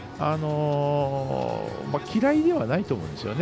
嫌いではないと思うんですよね。